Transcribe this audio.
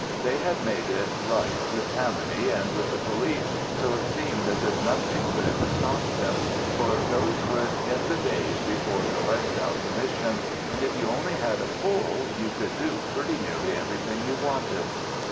They had made it right with Tammany and with the police, so it seemed as if nothing could ever stop them, for those were in the days before the Lexow Commission, and if you only had a pull, you could do pretty nearly everything you wanted.